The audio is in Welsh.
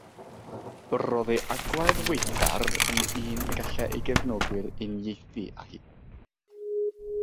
Roedd ei agwedd weithgar yn un y gallai ei gefnogwyr uniaethu â hi.